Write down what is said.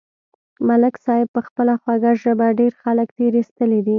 ملک صاحب په خپله خوږه ژبه ډېر خلک تېر ایستلي دي.